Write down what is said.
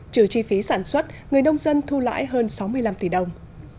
trừ chi phí sản xuất người nông dân thu lãi hơn sáu mươi năm tỷ đồng